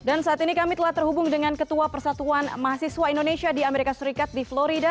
dan saat ini kami telah terhubung dengan ketua persatuan mahasiswa indonesia di amerika serikat di florida